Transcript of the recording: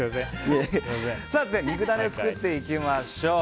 肉ダネを作っていきましょう。